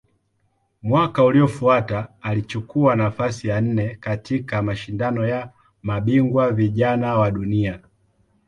Mwaka uliofuata alichukua nafasi ya nne katika Mashindano ya Mabingwa Vijana wa Dunia.